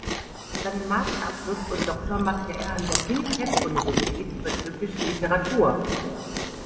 Seinen Masterabschluss und Doktor machte er an der Bilkent-Universität über türkische Literatur.